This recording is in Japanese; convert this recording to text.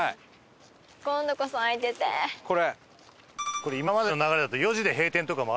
これ今までの流れだと。